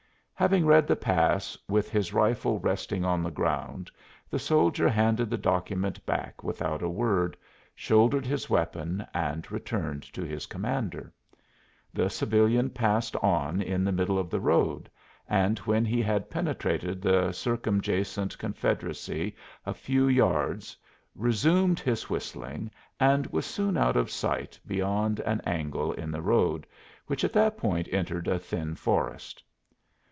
Having read the pass, with his rifle resting on the ground, the soldier handed the document back without a word, shouldered his weapon, and returned to his commander. The civilian passed on in the middle of the road, and when he had penetrated the circumjacent Confederacy a few yards resumed his whistling and was soon out of sight beyond an angle in the road, which at that point entered a thin forest.